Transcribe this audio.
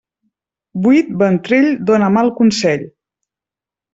Buit ventrell dóna mal consell.